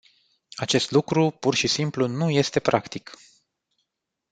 Acest lucru pur și simplu nu este practic.